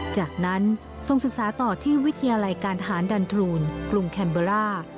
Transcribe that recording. จากนั้นส่งศึกษาต่อที่วิทยาลัยการทหารดันทรูนกรุงแคมเบอร์ร่า